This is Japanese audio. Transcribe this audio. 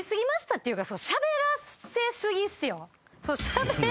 っていうか。